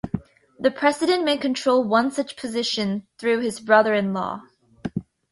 The President may control one such position through his brother-in-law.